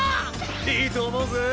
⁉いいと思うぜ。